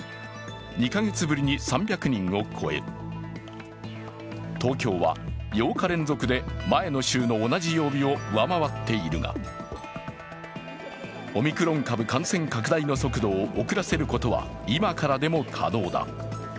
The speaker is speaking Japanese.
２カ月ぶりに３００人を超え、東京は８日連続で前の週の同じ曜日を上回っているが、オミクロン株感染拡大の速度を遅らせることは今からでも可能だ。